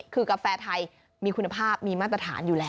คือกาแฟไทยมีคุณภาพมีมาตรฐานอยู่แล้ว